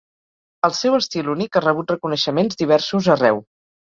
El seu estil únic ha rebut reconeixements diversos arreu.